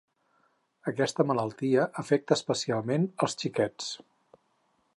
Aquesta malaltia afecta especialment els xiquets.